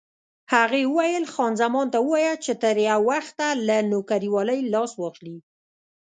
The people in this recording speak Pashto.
هغې وویل: خان زمان ته ووایه چې تر یو وخته له نوکرېوالۍ لاس واخلي.